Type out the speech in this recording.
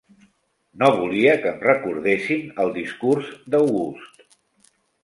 No volia que em recordessin el discurs d'August.